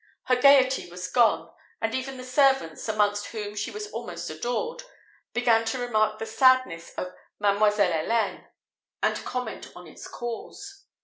Her gaiety was gone; and even the servants, amongst whom she was almost adored, began to remark the sadness of Mademoiselle Helene, and comment on its cause.